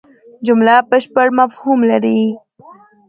جمله بشپړ مفهوم لري.